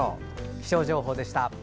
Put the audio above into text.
気象情報でした。